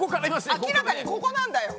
明らかにここなんだよ。